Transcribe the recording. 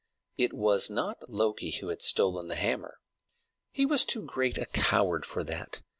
It was not Loki who had stolen the hammer, he was too great a coward for that.